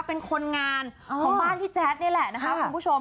เป็นคนงานของบ้านพี่แจ๊ดนี่แหละนะคะคุณผู้ชม